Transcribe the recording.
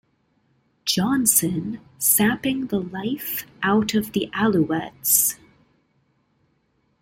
Johnson, sapping the life out of the Alouettes.